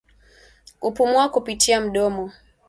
Kupumua kupitia mdomo